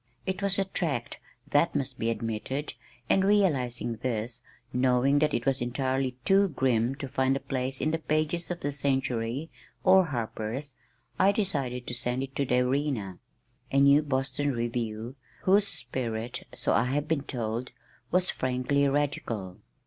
It was a tract, that must be admitted, and realizing this, knowing that it was entirely too grim to find a place in the pages of the Century or Harper's I decided to send it to the Arena, a new Boston review whose spirit, so I had been told, was frankly radical.